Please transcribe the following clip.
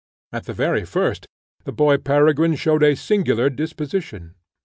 At the very first, the boy Peregrine showed a singular disposition.